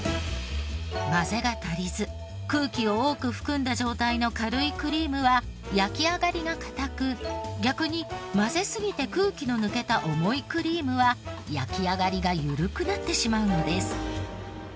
混ぜが足りず空気を多く含んだ状態の軽いクリームは焼き上がりが固く逆に混ぜすぎて空気の抜けた重いクリームは焼き上がりが緩くなってしまうのです。